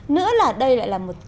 nữa là đây lại là một kỳ